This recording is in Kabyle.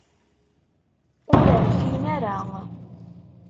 Ur rfin ara.